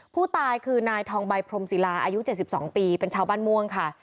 ผู้ตายคือนายทองใบพรมศิลาอายุ๗๒ปีเป็นชาวบ้านม่วงค่ะ